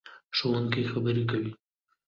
ښوونکې خبرې کوي.